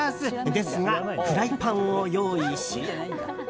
ですが、フライパンを用意し。